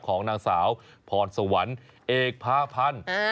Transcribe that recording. ของนางสาวพรสวรรค์เอกพาพันธ์